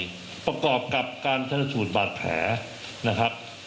แล้วหายไปประกอบกับการถนสูตรบาดแผล